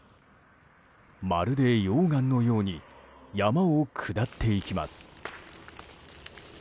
まるで溶岩のように山を下っていきます。